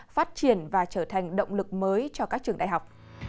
phát triển và trở thành động lực mới cho các trường đại học